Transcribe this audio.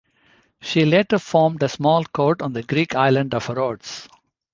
She later formed a small court on the Greek island of Rhodes.